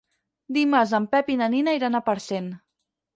Dimarts en Pep i na Nina iran a Parcent.